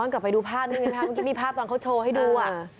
ก็พี่มีภาพต่อเขาโชว์ให้ดู